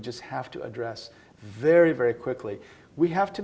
jadi ketika pekerja yang rendah